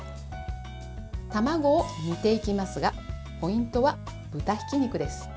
卵を煮ていきますがポイントは豚ひき肉です。